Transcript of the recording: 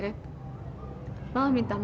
aku mau pulang